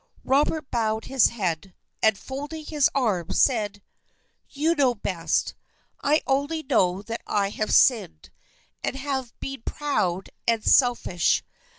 Robert bowed his head, and folding his arms, said, "You know best. I only know that I have sinned, and have been proud and selfish.